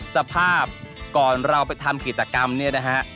สภาพก่อนเราไปทำกิจกรรมเนี่ยนะฮะ